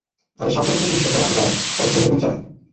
তাদের শান্ত করতে পুলিশ প্রথমে লাঠি চালায়, পরে শূন্যে গুলি চালায়।